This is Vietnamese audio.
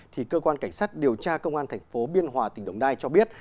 thì cơ quan cảnh sát điều tra công an thành phố biên hòa tỉnh đồng nai cho biết